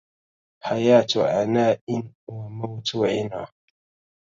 حياة عناء وموت عنا